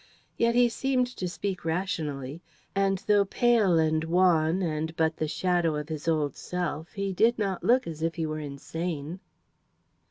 Yet he seemed to speak rationally, and although pale and wan and but the shadow of his old self, he did not look as if he were insane.